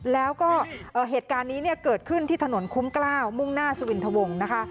แล้วก็เหตุการณ์นี้เนี่ยเกิดขึ้นที่ถนนคุ้มกล้าวมุ่งหน้าสุวินทวงนะคะ